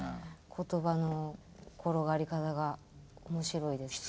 言葉の転がり方が面白いですし。